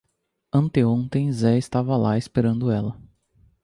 Anteontem Zé estava lá, esperando ela.